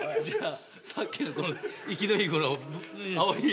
さっきの生きのいいこの青いやつを。